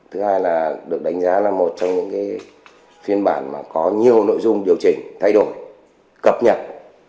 thứ hai là được đánh giá là một trong những phiên bản có nhiều nội dung điều chỉnh thay đổi cập nhật